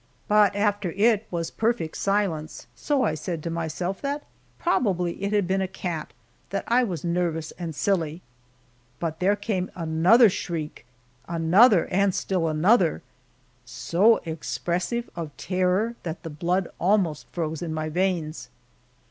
But after it was perfect silence, so I said to myself that probably it had been a cat that I was nervous and silly. But there came another shriek, another, and still another, so expressive of terror that the blood almost froze in my veins.